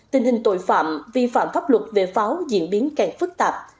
tình hình tội phạm vi phạm pháp luật về pháo diễn biến càng phức tạp